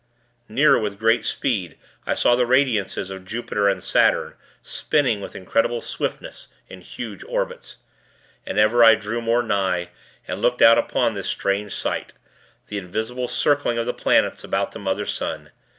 ... nearer with great speed. I saw the radiances of Jupiter and Saturn, spinning, with incredible swiftness, in huge orbits. And ever I drew more nigh, and looked out upon this strange sight the visible circling of the planets about the mother sun.